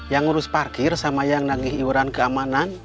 yang urus parkir sama yang nangih iuran keamanan